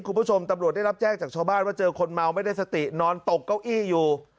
คุณผู้ชมตำรวจได้รับแจ้งจากชาวบ้านว่าเจอคนเมาไม่ได้สตินอนตกเก้าอี้อยู่